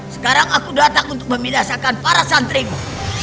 sekarang aku datang untuk memidasakan para santrimu